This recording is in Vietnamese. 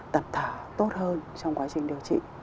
tập thở tốt hơn trong quá trình điều trị